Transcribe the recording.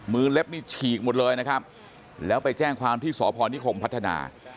มือแล็บฉีกหมดเลยแล้วไปแอ้งพี่สผอนิคมพัฒนา